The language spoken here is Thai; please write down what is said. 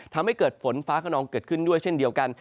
ทำให้เกิดฝนฟ้าขนองเกิดขึ้นด้วยเช่นเดียวกัน